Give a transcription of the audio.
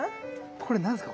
これ何すか？